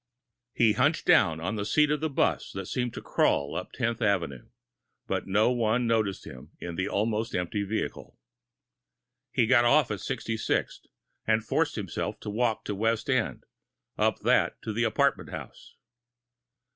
He hunched down on the seat of the bus that seemed to crawl up Tenth Avenue. But no one noticed him in the almost empty vehicle. He got off at Sixty Sixth and forced himself to walk to West End, up that to the apartment house.